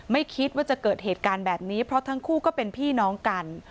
ไม่คิดว่าจะเกิดเหตุการณ์แบบนี้เพราะทั้งคู่ก็เป็นพี่น้องกัน